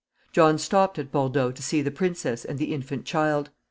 John stopped at Bordeaux to see the princess and the infant child.